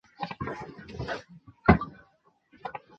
清初沿明制。